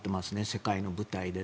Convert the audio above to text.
世界の舞台で。